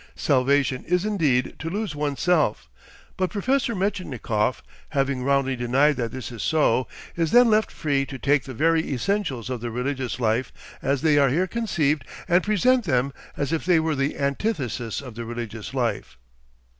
Salvation is indeed to lose one's self. But Professor Metchnikoff having roundly denied that this is so, is then left free to take the very essentials of the religious life as they are here conceived and present them as if they were the antithesis of the religious life.